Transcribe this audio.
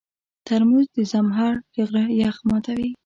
ترموز د زمهر د غره یخ ماتوي.